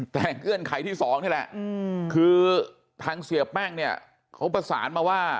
แต่เงื่อนไขที่๒นี่แหละคือทางเสียแป้งเนี่ยเขาประสานมาว่า